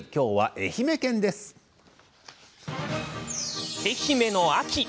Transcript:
愛媛の秋。